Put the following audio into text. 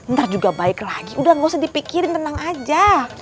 ntar juga baik lagi udah gak usah dipikirin tenang aja